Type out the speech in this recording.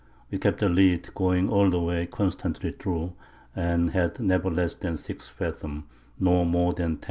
We kept the Lead going all the way constantly through, and had never less than 6 Fathom, nor more than 10.